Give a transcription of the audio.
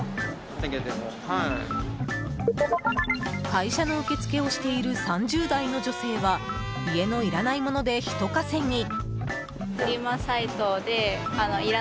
会社の受け付けをしている３０代の女性は家のいらないもので、ひと稼ぎ。